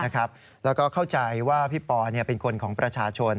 แล้วก็เข้าใจว่าพี่ปอเป็นคนของประชาชน